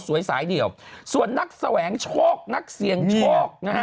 สาวสวยสายเดียวส่วนนักแสวงชอกนักเสียงชอกนะฮะ